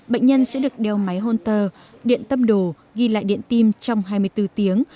bệnh nhân sẽ được đeo máy hôn tờ điện tâm đồ ghi lại điện tim trong hai mươi bốn tiếng